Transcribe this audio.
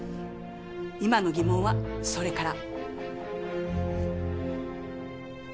今の疑問はそれから。